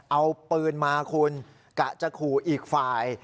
เอาปืนมาคุณกะจะขู่อีกฝ่าย